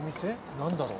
何だろう？